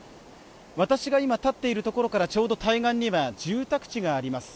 私が今立っているところからちょうど対岸には住宅地があります